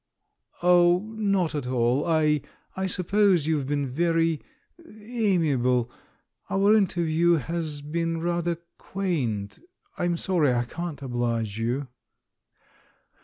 "Oh, not at all; I — I suppose you've been very ... amiable, our interview has been rather quaint; I'm sorry I can't oblige you."